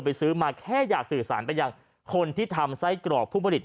ซื้อมาแค่อยากสื่อสารไปยังคนที่ทำไส้กรอกผู้ผลิต